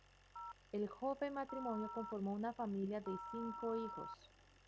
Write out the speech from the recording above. El joven matrimonio conformó una familia de cinco hijos.